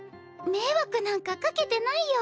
迷惑なんかかけてないよ。